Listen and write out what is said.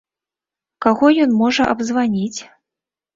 Каго ён можа абзваніць?